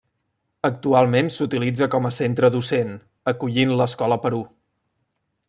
Actualment s'utilitza com a centre docent, acollint l'Escola Perú.